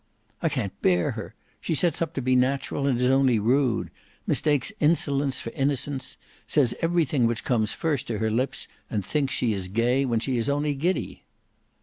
"I can't bear her: she sets up to be natural and is only rude; mistakes insolence for innocence; says everything which comes first to her lips and thinks she is gay when she is only giddy."